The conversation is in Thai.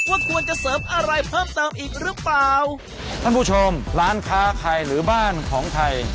ว่าควรจะเสริมอะไรเพิ่มเติมอีกหรือเปล่าท่านผู้ชมร้านค้าไข่หรือบ้านของไทย